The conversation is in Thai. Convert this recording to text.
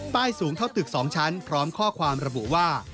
สูงเท่าตึก๒ชั้นพร้อมข้อความระบุว่า